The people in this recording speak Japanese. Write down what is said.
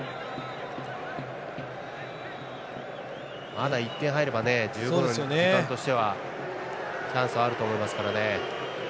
まだ１点入れば十分時間としてはチャンスはあると思いますからね。